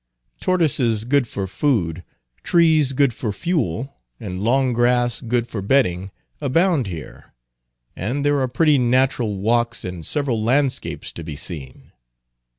Tortoises good for food, trees good for fuel, and long grass good for bedding, abound here, and there are pretty natural walks, and several landscapes to be seen.